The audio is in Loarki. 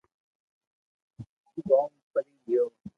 گوم ڀري گيو